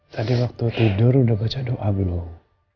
tadi waktu tidur udah baca doa bilang